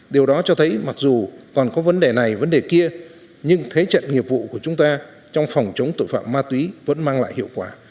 điều đó cho thấy mặc dù còn có vấn đề này vấn đề kia nhưng thế trận nghiệp vụ của chúng ta trong phòng chống tội phạm ma túy vẫn mang lại hiệu quả